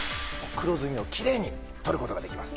黒ずみをきれいに取る事ができます。